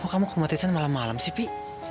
mau kamu ke rumah tristan malam malam sih pi